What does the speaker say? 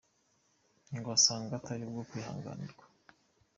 Ngo asanga atari ubwo kwihanganirwa.